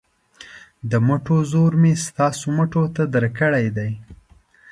د مټو زور مې ستا مټو ته درکړی دی.